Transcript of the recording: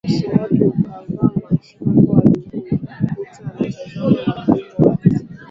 Uso wake ukavaa mshangao alipojikuta anatazamana na mdomo wa risasi